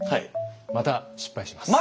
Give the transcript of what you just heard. また失敗します。